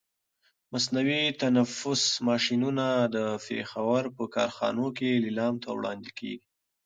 مصنوعي تنفس ماشینونه د پښاور په کارخانو کې لیلام ته وړاندې کېږي.